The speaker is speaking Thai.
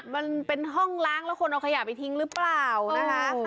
มันเป็นห้องล้างแล้วคนเอาขยะไปทิ้งหรือเปล่านะคะ